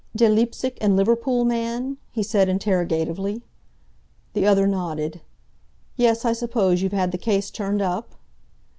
"De Leipsic and Liverpool man?" he said interrogatively. The other nodded. "Yes, I suppose you've had the case turned up?"